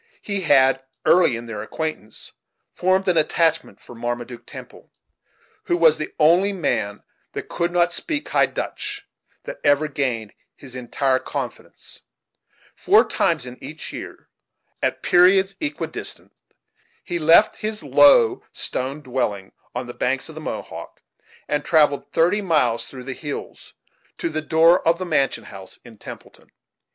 He had, early in their acquaintance, formed an attachment for Marmaduke Temple, who was the only man that could not speak High Dutch that ever gained his entire confidence Four times in each year, at periods equidistant, he left his low stone dwelling on the banks of the Mohawk, and travelled thirty miles, through the hills, to the door of the mansion house in Templeton.